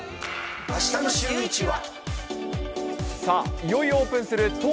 あしたのシューイチは。